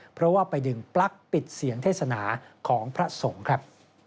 เพราะว่าไปดึงปลั๊กปิดเสียงเทศนาของพระสงฆ์ครับ